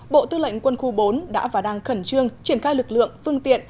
bộ tư lệnh quân khu bốn đã và đang khẩn trương triển khai lực lượng phương tiện